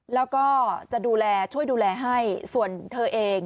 แล้วก็จะดูแลช่วยดูแลให้ส่วนเธอเอง